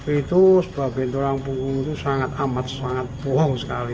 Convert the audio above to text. itu sebuah benturan punggung itu sangat amat sangat bohong sekali